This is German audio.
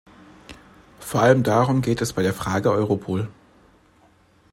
Vor allem darum geht es bei der Frage Europol.